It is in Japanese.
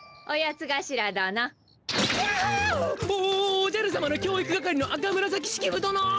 おおおおじゃるさまの教育係の赤紫式部どの。